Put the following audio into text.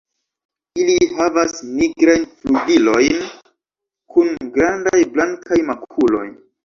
Ili havas nigrajn flugilojn kun grandaj blankaj makuloj.